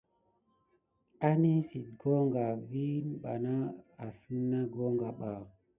Anesiti goka vikine bana asine na kogan ba.